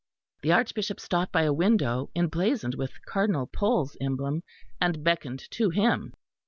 The Archbishop stopped by a window, emblazoned with Cardinal Pole's emblem, and beckoned to him.